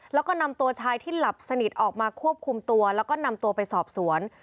แล้วก็นำตัวชายที่หลับสนิทออกมาควบคุมตัวแล้วก็นำตัวไปสอบสวน